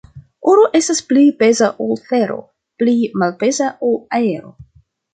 Oro estas pli peza ol fero, pli malpeza ol aero.